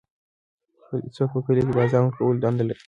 څوک په کلي کې د اذان ورکولو دنده لري؟